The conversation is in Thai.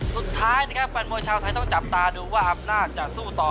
สุดท้ายนะครับแฟนมวยชาวไทยต้องจับตาดูว่าอำนาจจะสู้ต่อ